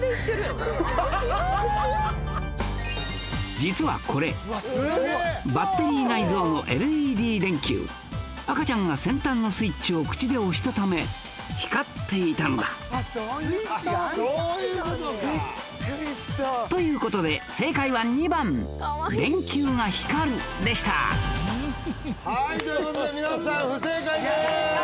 実はこれバッテリー内蔵のＬＥＤ電球赤ちゃんが先端のスイッチを口で押したため光っていたのだということで正解は２番はいということで皆さん不正解です